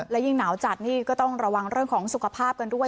และยิ่งหนาวจัดนี่ก็ต้องระวังเรื่องของสุขภาพกันด้วย